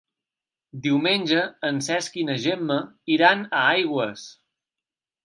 Diumenge en Cesc i na Gemma iran a Aigües.